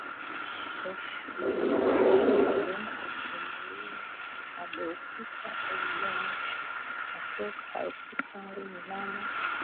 Oshogbo Ilorin Abeokuta Ogbomosho na Port Harcourt Tangu mnamo